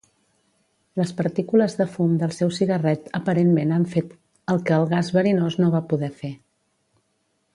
Les partícules de fum del seu cigarret aparentment han fet el que el gas verinós no va poder fer.